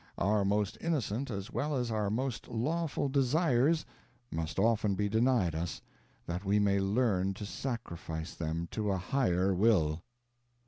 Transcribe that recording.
Our most innocent as well as our most lawful _desires _must often be denied us, that we may learn to sacrifice them to a Higher will."